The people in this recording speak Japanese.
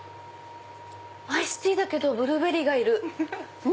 アイスティーだけどブルーベリーがいる。